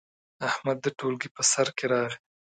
احمد د ټولګي په سر کې راغی.